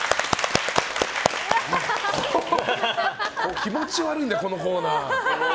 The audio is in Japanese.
気持ち悪いな、このコーナー。